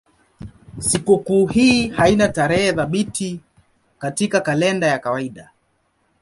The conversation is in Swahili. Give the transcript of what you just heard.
Sikukuu hii haina tarehe thabiti katika kalenda ya kawaida.